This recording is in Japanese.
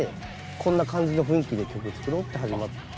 こんな感じの雰囲気の曲作ろうって始まってできた曲。